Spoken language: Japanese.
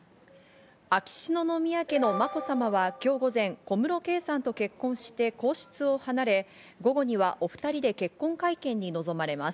秋篠宮家のまこさまはきょう午前、小室圭さんと結婚して皇室を離れ、午後にはお２人で結婚会見に臨まれます。